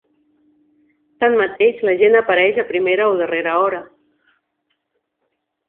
Tanmateix, la gent apareix a primera o darrera hora.